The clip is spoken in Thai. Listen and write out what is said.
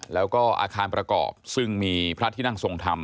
แล้วก็อาคารประกอบซึ่งมีพระที่นั่งทรงธรรม